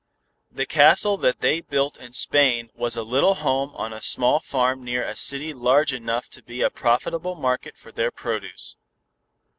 The castle that they built in Spain was a little home on a small farm near a city large enough to be a profitable market for their produce.